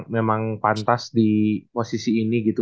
memang pantas di posisi ini gitu